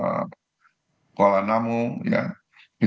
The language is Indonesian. itu bandara bandar yang cukup tinggi juga nanti